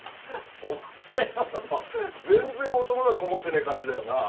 お前の事全然男だと思ってねえ感じだよな。